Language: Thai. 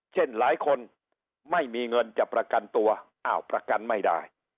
เช่นหลายคนไม่มีเงินจะประกันตัวอ้าวประกันไม่ได้